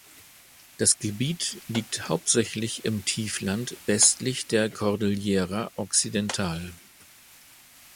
Das Gebiet liegt hauptsächlich im Tiefland westlich der Cordillera Occidental.